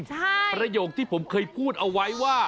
ประโยคที่ผมเคยพูดเอาไว้ว่า